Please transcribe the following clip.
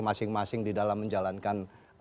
masing masing di dalam menjalankan